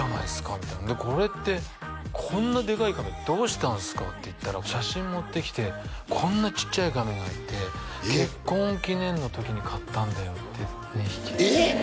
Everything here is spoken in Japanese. みたいな「これってこんなでかいカメどうしたんですか？」って言ったら写真持ってきてこんなちっちゃいカメがいて「結婚記念の時に飼ったんだよ」って２匹ええっ！？